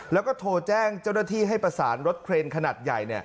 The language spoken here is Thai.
แล้วก็โทรแจ้งเจ้าหน้าที่ให้ประสานรถเครนขนาดใหญ่